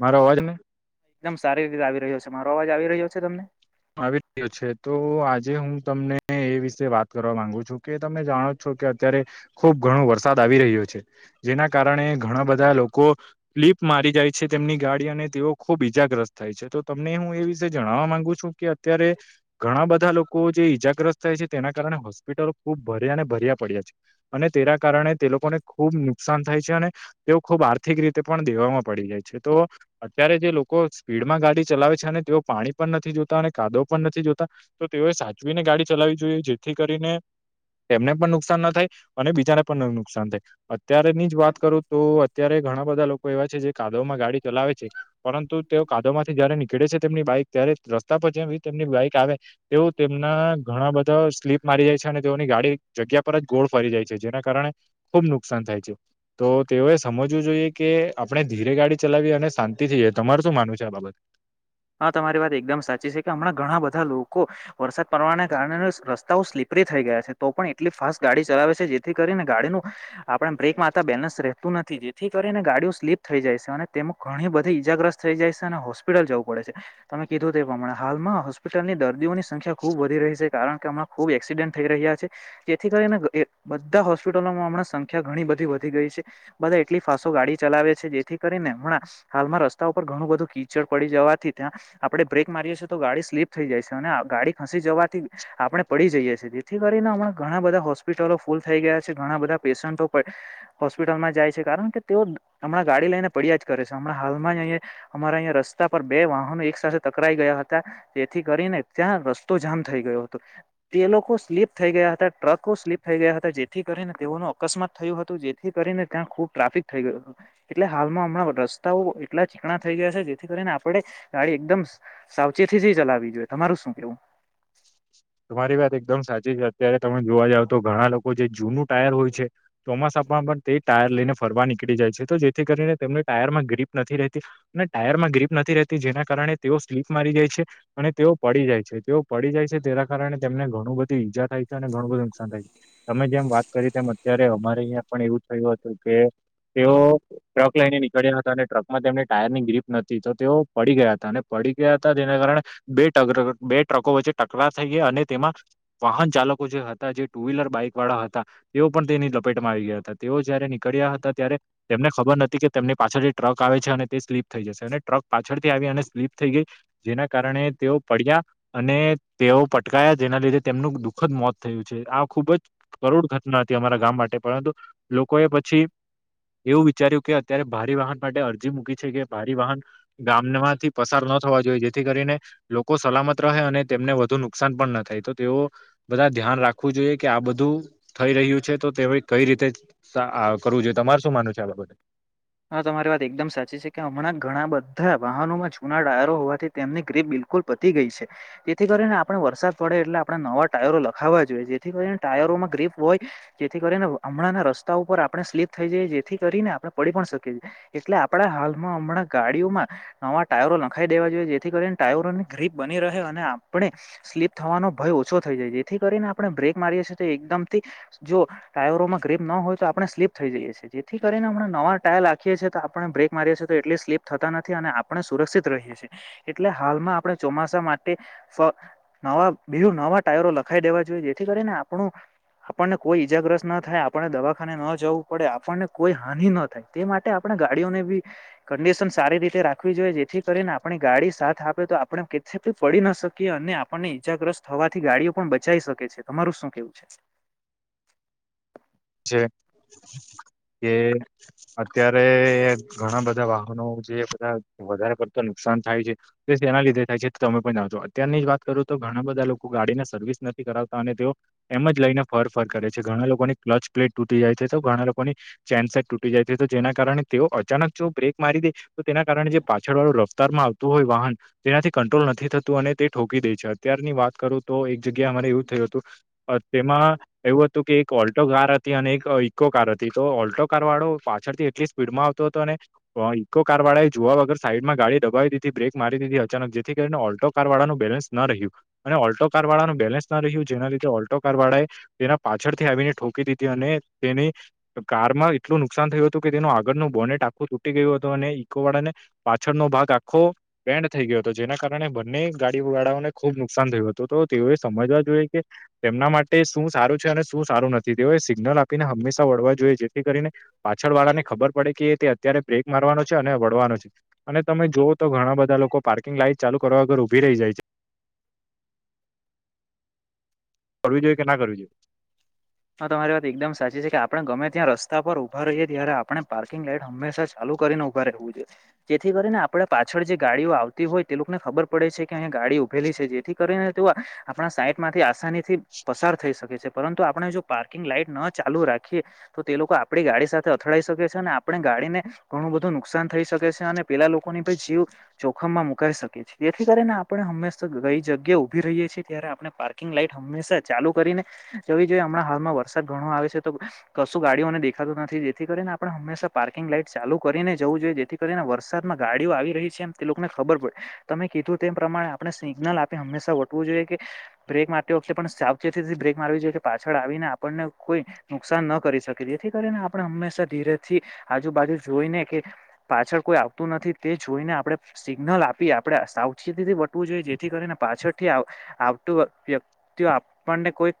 મારો અવાજને એકદમ સારી રીતે આવી રહ્યો છે. મારો અવાજ આવી રહ્યો છે તમને? આવી રહ્યો છે. તો આજે હું તમને એ વિશે વાત કરવા માંગુ છું, કે તમે જાણો જ છો કે અત્યારે ખુબ ઘણો વરસાદ આવી રહ્યો છે, જેના કારણે ઘણા બધા લોકો [unintelligible] [unintelligible] મારી જાય છે તેમની ગાડી અને તેઓ ખુબ ઈજાગ્રસ્ત થાય છે. તો તમને હું એ વિશે જણાવવા માંગુ છું કે કે અત્યારે ઘણા બધા લોકો જે ઈજાગ્રસ્ત થાય છે તેના કારણે હોસ્પિટલો ખૂબ ભર્યા ને ભર્યા પડ્યા છે. અને તેના કારણે તે લોકોને ખુબ નુકસાન થાય છે અને તેઓ ખુબ આર્થિક રીતે પણ દે વા પડી જાય છે. તો અત્યારે જે લોકો સ્પીડમાં ગાડી ચલાવે છે અને તેઓ પાણી પણ નથી જોતા અને કાદવ પણ નથી જોતા તો તેઓએ સાચવીને ગાડી ચલાવી જોઈએ, જેથી કરીને એમને પણ નુકસાન ન થાય અને બીજાને પણ ન નુકસાન થાય. અત્યારેની જ વાત કરું તો અત્યારે ઘણા બધા લોકો એવા છે જે કા દવમાં ગાડી ચલાવે છે, પરંતુ તેઓ કાદવ માંથી જયારે નીકળે છે તેમની બાઈક ત્યારે જ રસ્તા પર જેવી તેમની બાઈક આવે તેઓ તેમના ઘણા બધાઓ સ્લીપ મારી જાય છે, અને તેઓની ગાડી જગ્યા પર ગોળ ફરી જાય છે, જેના કારણે ખુબ નુકસાન થાય છે. તો તેઓએ સમજવું જોઈએ કે આપણે આપણે ધીરે ગાડી ચલાવીએ અને શાંતિ થી જાય. તમાર શું માનવું છે આ બાબત? હા તમારી વાત એકદમ સાચી છે, કે હમણાં ઘણા બધા લોકો વરસાદ પડવાના કારણે રસ્તાઓ સ્લીપ પ્રી થઈ ગયા છે તો પણ એટલી ફાસ્ટ ગાડી ચલાવે છે જેથી કરીને ગાડીનું આપણા બ્રેક મારતા બેલેન્સ રહેતું નથી જેથી ક રીને ગાડીઓ સ્લીપ થઈ જાય છે, અને તેમો ઘણી બધી ઈજાગ્રસ્ત થઈ જાય છે, અને હોસ્પિટલ જવું પડે છે. તમે કીધું તે પ્રમાણે હાલમાં હોસ્પિટલની દર્દીઓની સંખ્યા ખુબ વધી રહી છે કારણ કે હમણાં ખુબ એક્સિડેન્ટ થઈ રહ્યા છે. જેથી કરીને બધા હોસ્પિટલોમાં હમણાં સંખ્યા ઘણી બધી વધી ગઈ છે. બધા એટલી ફાસો ગાડી ચલાવે છે, જેથી કરીને હમણા હાલમાં રસ્તા ઉપર ઘણું બધું કીચડ પડી જવાથી ત્યાં આપણે બ્રેક મારીએ છીએ તો ગાડી સ્લીપ થઈ જાય સે, અને ગાડી ખસી જવા થી આપણે પડી જઈએ છીએ. જેથી કરીને હમણાં ઘણા બધા હોસ્પિટલો ફૂલ થઈ ગયા છે, ઘણા બધા પેશન્ટો પણ હોસ્પિટલમાં જાય છે. કારણ કે તેઓ હમણાં ગાડી લઈને પડ્યા જ કરે છે. હમણાં હાલમાં જ અહીયા અમારા અહિયાં રસ્તા પર બે વાહનો એક સાથે ટકરાઈ ગયા હતા, તેથી કરીને ત્યાં રસ્તો જામ થઈ ગયો હતો. તે લોકો સ્લીપ થઈ ગયા હતા, ટ્રકો સ્લીપ થઈ ગયા હતા, જેથી કરીને તેઓનો અકસ્માત થયું હતું, જેથી કરીને ત્યાં ખુબ ટ્રાફિક થઈ ગયો હતું, એટલે હાલમાં હમણા રસ્તાઓ એટલા ચીકણા થઈ ગયા છે જેથી કરીને આ પડે ગાડી એકદમ સાવચેતીથી ચલાવી જોઈએ તમારું શું કેવું [inaudible] તમારી વાત એકદમ સાચી છે અત્યારે તમે જોવા જાવ તો ઘણા લોકો જે જૂનું ટાયર હોય છે ચોમાસા પણ તે ટાયર લઈને ફરવા નીકળી જાય છે તો જેથી કરીને તેમની ટાયર માં ગ્રીપ નથી રહેતી અને ટાયર માં ગરીપ નથી રહેતી જેના કારણે તેઓ સ્લીપ મારી જાય છે અને તેઓ પડી જાય છે તેઓ પડી જાય છે તેના કારણે તેમને ઘણું બધી ઈજા થાય છે અને ઘણું બધું નુકસાન થાય છે તમે જેમ વાત કરી તેમ અત્યારે અમારે અહં પણ એવું થયું હતું કે તેઓ ટ્રક લઈને નીકળ્યા હતા અને ટ્રકમાં તેમને ટાયર ની ગ્રીપ નથી તો તેઓ પડી ગયા હતા અને પડી ગયા હતા તેના કારણે બેટગ બેટ ટ્રકો વચ્ચે ટકરા થઈ ગયા અને તેમાં વાહન ચાલકો જે હતા જે ટુ વ્હીલર બાઈક વાળા હતા તેઓ પણ તેની લપેટમાં આવી ગયા હતા તેઓ જયારે નીકળ્યા હતા ત્યારે તેમને ખબર નથી કે તેમની પાછળ જે ટ્રક આવે છે તે સ્લીપ થઈ જશે અને ટ્રક પાછળથી આવી અને સ્લીપ થઈ ગઈ જેના કારણે તેઓ પડ્યા અને તેઓ પટકાયા જેના લીધે તેમનું દુઃખદ મોત થયું છે આ ખુબ જ કરુડ ઘટના હતી અરા ગામ માટે પરંતુ લોકો એ પછી એવું વિચાર્યું કે અત્યારે ભારે વાહન માટે અરજી મૂકી છે કે ભારી વાહન ગામમાંથી પસાર થવા જોઈએ જેથી કરીને લોકો સલામત અને તેમને વધુ નુકસાન પણ ન થાય તો તેઓ બધા ધ્યાન રાખવું જોઈએ કે આ બધું થઈ રહ્યું છે તો તે કઈ રીતે કરવું જોઈએ તમાર શું માનું છે આ બાબતે હા થ વાહનોમાં જૂના ડાયરો હોવાથી તેમની ગ્રીપ બિલકુલ પતી ગઈ છે જેથી કરીને આપણે વરસાદ પડે એટલે આપણે નવા ટાયરો નખાવા જોઈએ જેથી કરીને ટાયરોમાં ગ્રીપ હોય જેથી કરીને હમણાંના રસ્તા ઉપર આપણે સ્લીપ થઈ જઈએ જેથી કરીને આપણે પડી પણ શકી છીએ એટલે આપડા હાલમાં હમણાં ગાડીઓમાં નવા ટાયરો નખાઈ દેવા જોઈએ જેથી કરીને ટાયરોની ગ્રીપ બની રહે અને આપણે સ્લીપ થવાનો ભય ઓછો થઈ જાય જેથી કરીને આપણે બ્રેક મારી થી જો ટાયરોમાં ગપ ન હોય તો આપણે સ્લીપ થઈ જઈએીએ જેથી કરીને નવા ટાયર લખીએ છીએ તો આપણે બ્રેક મારીએ છીએ તો એટલી સ્લીપ થતા નથી અને આપણે સુરક્ષિત રહીએ છીએ એટલે હાલમાં આપણે ચોમાસા માટે ન બીજું નવા ટાયરો નખાઈ દેવા જોઈએ જેથી કરીને આપણું આપણને કોઈ ઈજાગ્રસ્ત ના થાય આપણને દવાખાને ન જવું પડે આપણને કોઈ હાનિ ન તે માટે આપણે ગાડીઓને બી કડિશન સારી રીતે રાખવી જોઈએ જેથી કરીને આપણી ગાડી સા તો આપણે કેી પડી ના શકીએ અને આપણને ઈજાગ્રસ્ત થવાથી ગાડીઓ પણ બચી શકે છે તમારું શું કેવું છે જી કે અત્યારે ઘણા બધા વાહનો જે બધા વધારે કરતા નુકસાન ાન થાય છે તેના લીધે થાય છે તો તમે પણ જાઓ છો અત્યારની જ વાત કરો તો ઘણા બધા લોકો ગાડી ના સર્વિસ નથી કરાવતા અને તેઓ એમ જ લઈને ફર ફર કરે છે ઘણા લોકોને ક્ચ પ્લેટ તૂટી જાય છે તો ઘણા લોકોની ચેનસેટ તૂટી જાય છે તો જેના કારણે તેઓ અચાનક જો બ્રેક મારી તો તેના કારણે જે પાછળ વાળું રફતારમાં આવતું હોય વાહન તેનાથી કંટ્રોલ નથી થતું અને તે ઠોકી દે છે અતારની વાત કરું તો એક જગ્યા અરે એવું થયું હતું તેમાં એવું હતું કે એક ઓ ઓ્ટો કાર હતી અને એક ઇકો કાર હતી તો ઓલ્ટો કાર વાળો પાછળથી એટલી સ્પીડ માં આવતો હતો અને ઇકો કાર વાળા એ જોવા વગર સાઈડમાં ગાડી દબાવી બ્રેક મારી દીધી અચાનક જેથી કરીને ઓલ્ટો કાર વાળાનુંું બેલેન્સ રહ્યું અને ઓલ્ટો કાર વાળાનું બેલેન્સ ના રહ્યું જેના લીધે ઓલ્ટો કાર વાળા એ તેના પાછળથી આવીનેો અને તેની કારમાં એટલું નુકસાન થયું હતું કે તેનું આગળ ન બોને ટ આખું તૂટી ગયું હતું અને ઈકોવાડા ને પાછળનોો ભાગ આખો વેડ થઈ ગયો હતો જેના કારણે બંને ગાડી વાડાઓને ખુબ નુકસાન થયું હતું તો તેઓએ સમજવા જોઈએ કે તેમના માટે શું સારું છે અને શું સારું નથી તેઓએ સિગ્નલ આપીને હંમેશા વળવા જોઈએ જેથી કરીને પાછળ વાળા ને ખબર પડે કે તે અત્યારે બ્રેક માર અને વડવાનો છે અને તમે જોુઓ તો ઘણા બધા લોકો પાર્કિંગ લાઈન ચાલુ કરવા વગર ઉભી રહી જાય છે હ કરવી જોઈએ કે ના કરવી જોઈએ હા તમારી વાત એકદમ સાચી છે કે આપડણે ગમે ત્યાં રસ્તા પર ઉભા રહીએ ત્યારે આપણે પાર્કિંગ લાઈટ હંમેશા ચાલુ ને ઉભું જોઈએ જેથી કરીને આપે પાછળ જે ગાડીઓ આવતી હોય તે લોકોને ખબર પડે છે કે અ ગાડી ઉેલી છે જેથી કરીને તે આપણા સાઈટ માંથી આસાની થી પસાર થઈ શકે છે પરંતુ આપણે જો પાર્કિંગ લાઈટ ન ચાલુ રાખીએ તો તે લોકો આપડી ગાડી સાથે અથડાઈ શકે છે અને આપણે ગાડીને ઘણું નુકસાન થઈ શકે છે અને પેલા લોકોને પણ જીવ જોખમમાં મુકાઈ શકે છે જેથી કરીને આપણે હંમેશા જગ્યા ઉભી રહી છીએ ત્યારે આપણે પાર્કિંગ લાઈટ હંમેા ચાલુ કરીને જવી જોઈએ હમણા વરસાદ ઘણો આવે છે તો કશું ગાડીઓને દેખાતું નથી, જેથી કરીને આપણે હંશા પાર્કિંગ લાઈટ ચાલુ કરી જવું જોઈએ જેથી કરીને વરસાદમાં ગાડીઓ આવી રહી છે એમ તે લોકોને ખબર પડે તમે કીધું તેમ પ્રમાણે આપણે સિગ્નલ આપે હંમેા વટવું જોઈએ કે બ્રેક મારતી વખતે પણ સાચેતીથી બ્રેક મારવી જોઈએ પાછળ આવીને આપને કોઈ નુકસાન ન કરી શકે જેથી કરીને આપણે હંમેશા ધીરે થી આજુબાજુ જોઈને પાછળ કોઈ આવતું નથી તે જોઈને આપણે સિગ્નલ આપી આપણે સાવચેતીથી વટવું જોઈએ કરીને પાછળથી આવતું વ્યક્તિઓ આપણને કોઈ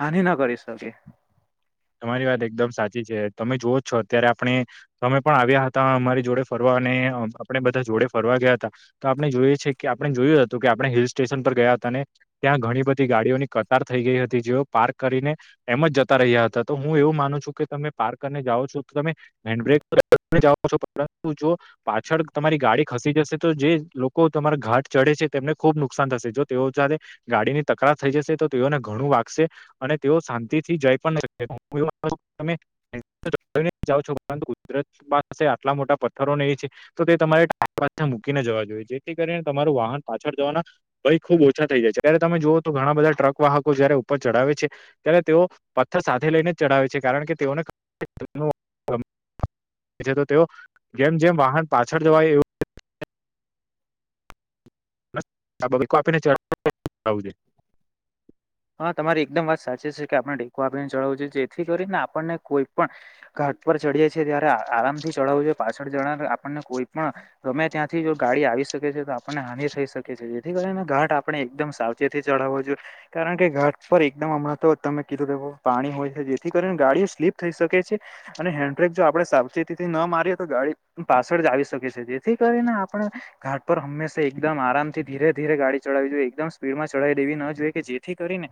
હાનિ ના કરીશ [unintelligible] તમારી વાત એકદમ સાચી છે તમે જોઓ છો અત્યારે આપણે તમે પણ આવ્યા હતા અમારી જોડે ફરવા અને આપણે બધા જોડે ફરવા ગયા હતા તો આપણે જોઈએ છે કે આપણે જોયું હતું કે આપણે હિલ સ્ટેશન પર ગયા અને ત્યાં ઘણી બધી ગાડીઓની કતાર થઈ ગઈ હતી જેઓ પાર્ક કરીને એમ જ જતા રહ્યા હતા. તો હું એવું માનું છું કે તમે પાર્ક કરીને જાઓ છો તો તમે હેન્ડબ્રેક જાઓ છો પરંતુ જો પાછળ તમારી ગાડી ખસી જશે તો જે લોકો તમારા ઘાટ ચડે છે તેમને ખુબ નુકસાન થશે જો તેઓ ગાડીની તકરાર થઈ જશે તો તેઓને ઘણું વાગશે અને તેઓ શાંતિ થી જઈ પણ [unintelligible] ત છો પરુ કુદરત પાસે આટલા મોટા પથ્થરો મકીને જવા જોઈએ જેથી કરીને તમારું વાહન પાછળ જવાના ખબ ઓછા થઈ જાય છે જ્યારે તમે જોુઓ તો ઘણા બધા ટ્રક વાહકો જયારે ઉપર ચઢાવે છે ત્યારે તેઓ પથ્થર સાથે લઈને ચડાવે છે કારણ કે તેઓને તો તેઓ જેમ જેમ વાહન પાછળ જવાય એવું આ બાબકો આપીને ચ હા તમારી એકદમ વાત સાચી છે કે આપણે ટેકો આપીને ચળવું જોઈએ જેથી કરીને આપણને કોઈ પણ ટ પર ચડી જાયી ત્યારે આરામથી ચડાવવું જોએ પાછળ જર આપણને કોઈ પણ રમે ત્યાંથી ગાડી આવી શકે છે તો આપણને હાનિ થઈ શકે છે જેથી કરીને ઘાટ આપણે એકદમ સાવચેતી ચડાવો જોઈએ. કારણ કે ઘાટ પર એકદમ હમણાં તો તમે કીધું લે પાણી હોય છે જેથી કરીને ગાડીઓ સ્લીપ થઈ શકે છે. અને હેન્ડબ્રેક જો આપડે સાવચેતીથી ના મારીએ તો ગાડી પાછળ જ આવી શકી છે જેથી કરીને આપણે ઘાટ પર હંમેશા એકદમ આરામથી ધીરે ધીરે ગાડી ચડાવવી જોઈએ એકદમ સ્પીડ માં ચડાવી દેવી ન જોઈએ કે જે કરીને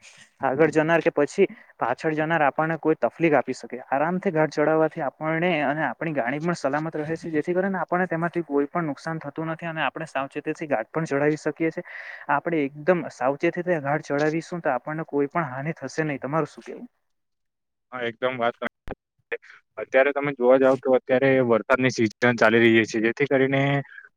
આગળ જનાર કે પછી પાછળ જનાર આપણને કોઈ તકલીક આપી શકે આરામથી ચડાવવાથી આપણને અને આપણી ગાણી પણ સલામત રહે છે જેથી કરીને આપણને તેમાંથી કોઈ પણ નુકસાન થતું નથી આપણે સાવચેથી ગા પણ ચડાવી શકીએીએ આપણેેમ સાવચેતીથીઢ ચડાવી શું તો આપણને કોઈ પણ હાનિ થશે નહી તમારું શું કેવું હા એકદમ વાત કર અત્યારે તમે જોવા જાવ કે અત્યારે વરસાદની સિઝન ચાલી રહી છે જેથી કરીને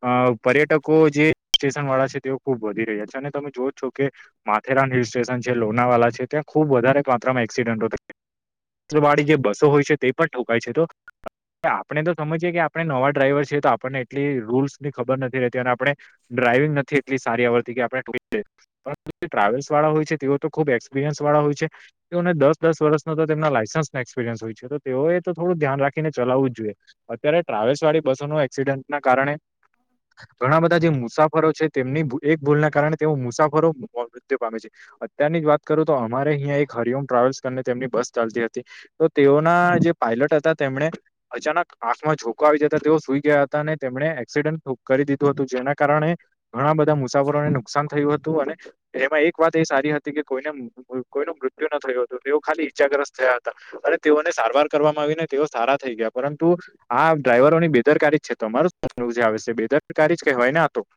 અ પર્યટકો જે સ્ટેશન વાળા છે તે ખુબ વધી રહ્યા છે અને તમે જો જ છો કે માથેરાન હિ સ્ટેશન છે, લોનાવાલા છે, ત્યાં ખૂબ વધારે માત્રામાં એક્સિડન્ટો વાળી જે બસો હોય છે તે પણ ઠકાય છે તો આપણે તો સમજીય કે આપણે નવા ડ્રાઈવર છએ તો આપણને એટલી રૂલ્સની ખબર નથી રહેતી અને આપણે ડ્રાઈવિંગ નથી એટલી સારી આવડતી કે આપ્રાવેલ્સ વાળો હોય છે તેઓ તો ખુબ એક્પિરિયન્સ વાળો હોય છે તેઓને દસ દસ વર્ષનો તો તેમના લાયસન્સ એક્સપિરયસ હોય છે તો તેઓએ તો થોડું ધ્યાન રાખીને ચલાવું જ જોઈએ અત્યારે આવેશવાળી બસોન એક્સિડેન્ટ ના કારણે ઘણા બધા જે મુસાફરો છે, તેમની એક ભૂલના કારણે તેઓ મુસાફરો મૃત્યુ પામે છે. અત્યારની જ વાત કરું તો અમારે અહીં એક હરિ ઓમ ટ્રાવેલ્સ તેમની બસ ચાલતી હતી તો તેઓના જે પાયલટ હતા તેમને અચાનક આંખમાં જોખ આવી જતા તેઓ સુઈ ગયા હતા અને તેમણે એક્સિડન્ટ કરી દીધું હતું જેના કારણે ઘણા બધા મુસાફરોને નુકસાન થયું હતું. અને એમાં એક વાત એ સારી હતી કે કોઈને કોઈ ન મૃત્યુ ન થયો તેઓ ખાલી ઈજાગ્રસ્ત થયા હતા અને તેઓને સારવાર કરવામાં આવીને તેઓ સારા થઈ ગયા પરંતુ આ ડ્રાઈવરોની બેદરકારી જ છે તો તમારું આવે છે બેદરકારી જ કહેવાયને તો [inaudible]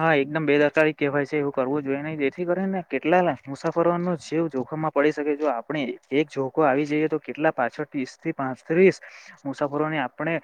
હા એકદમ બેદરકારી કહેવાય છે એવું કરવું જોઈએ નહી જેથી કરી ને કેટલા મુસાફરો ન જીવું જો જોખમ મા પડી શકે જો આપણે એક જોખો આવી જઈએ તો કેટલા પાછળ ત્રીસ થી પાંત્રીસ મુસા મુસાફરો ને આપણે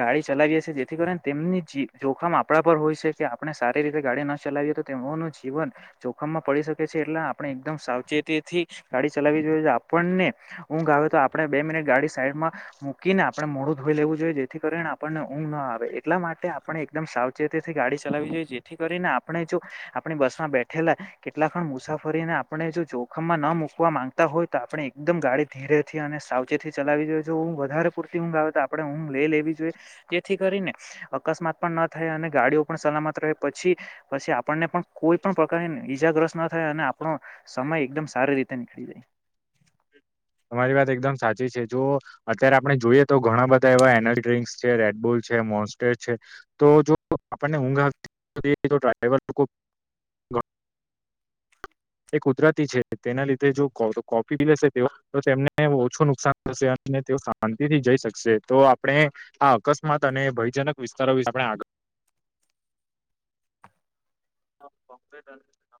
ગાડી ચલાવીએ છીએ જેથી કરીને તેમની જે જોખમ આપણા પર હોય છે કે આપણે સારી રીતે ગાડી ન ચલાવીએ તો તેઓનું જીવન જોખમમાં પડી શકે છે એટલે આપણે એકદમ સાવચેતી થી ગાડી ચલાવી જોવે આપણને ઊંઘ આવે તો આપણે બે મિનિટ ગાડી સાઈડમાં મૂકીને આપણે મોડું ધોઈ લેવું જોઈએ જેથી કરીને આપણને ઊંઘ ન આવે એટલા માટે આપણે એકદમ સાવચેતીથી ગાડી ચલાઈએ જેથી કરીને આપણે જો આપણી બસમાં બેઠેલા કેટલા પણ મુસાફરીને આપણે જો જોખમમાં ન મુકવા માંગતા હોય તો આપણે એકદમ ગાડી ધીરે થી અને સાવચેતીથી ચલાવી જો જો હું વધારે પ ઊઘ આવે તો આપણે ઊઘ લે લેવી જોઈએ જેથી કરીને અકસ્માત પણ ન થાય અને ગાડીઓ સલામત રહે પછી પછી આપણને પણ કોઈ પણ પ્રકારની ઈજાગ્રસ્ત ના થાય અને આપો સમય એકદમ સારી રીતે નીકળી જાય તમારી વાત એકદમ સાચી છે જો અત્યારે આપણે જોઈએ તો ઘણા બધા એવા એનર્જી ડ્રિન્ક્સ છે રેડબોલ છે કોસટેટ છે તો જો આપને ઊંઘઈ તો ડ્રાઈવર બ એ કુદરતી છે તેના લીધે જો કો કોફી બી લશે તેમને ઓછું નુકસાન થશે ને તેઓ શાંતિ થી જઈ શકશે તો આપણે આ અકસ્માત અને ભયજનક વિસ્તારો વિશે આપણે આ હ [inaudible] હ બ્બ [inaudible]